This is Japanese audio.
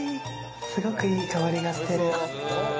すごくいい香りがしてる。